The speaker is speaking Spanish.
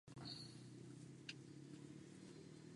nosotros partimos